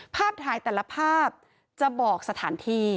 ภาพถ่ายแต่ละภาพจะบอกสถานที่